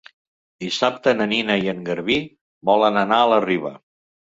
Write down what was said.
Dissabte na Nina i en Garbí volen anar a la Riba.